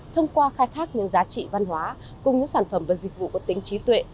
thông qua khai thác những giá trị văn hóa cùng những sản phẩm và dịch vụ có tính trí tuệ